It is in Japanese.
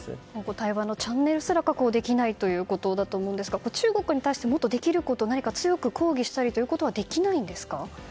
対話のチャンネルすら確保できないということだと思いますが中国に対してもっとできること何か強く抗議したりということはできないんですか。